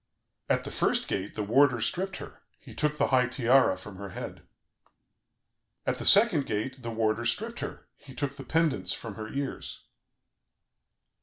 "At the first gate, the warder stripped her; he took the high tiara from her head. "At the second gate, the warder stripped her; he took the pendants from her ears.